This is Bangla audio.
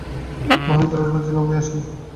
মহেন্দ্র ও রজনী উভয়েই আসিল।